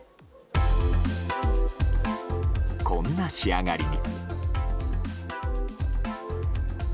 こんな仕上がりに。